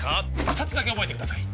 二つだけ覚えてください